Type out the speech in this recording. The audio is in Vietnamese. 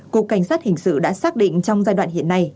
cục cảnh sát hình sự đã xác định trong giai đoạn hiện nay